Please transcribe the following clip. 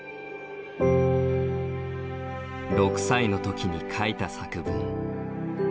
６歳の時に書いた作文。